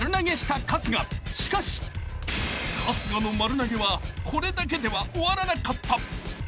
［しかし春日の丸投げはこれだけでは終わらなかった］